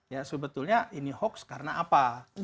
ya sebetulnya ini hoax karena apa